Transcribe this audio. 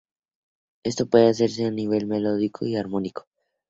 Esto puede hacerse a nivel melódico o armónico.